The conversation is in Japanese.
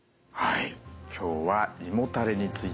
はい。